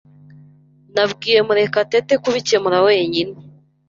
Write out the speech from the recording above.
Nabwiye Murekatete kubikemura wenyine.